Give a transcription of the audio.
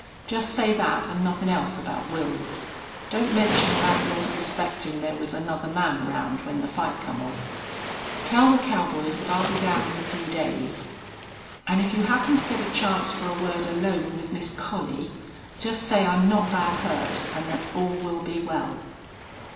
Just say that an' nothin' else about Wils. Don't mention about your suspectin' there was another man around when the fight come off.... Tell the cowboys that I'll be down in a few days. An' if you happen to get a chance for a word alone with Miss Collie, just say I'm not bad hurt an' that all will be well."